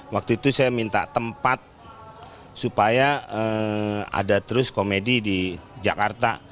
waktu itu saya minta tempat supaya ada terus komedi di jakarta